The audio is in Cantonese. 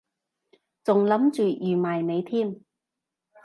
仲諗住預埋你添